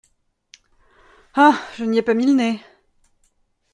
Ah ! je n’y ai pas mis le nez…